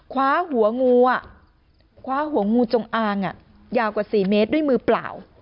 คว้าหัวงูจงอ่างยาวกว่า๔เมตรด้วยมือเปล่า